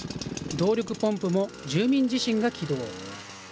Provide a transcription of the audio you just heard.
動力ポンプも住民自身が起動。